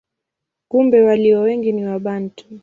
Kumbe walio wengi ni Wabantu.